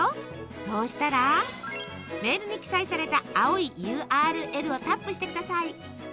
そうしたらメールに記載された青いＵＲＬをタップしてください。